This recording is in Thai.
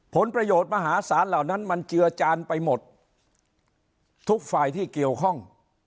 ผลประโยชน์มหาศาลเหล่านั้นมันเจือจานไปหมดทุกฝ่ายที่เกี่ยวข้อง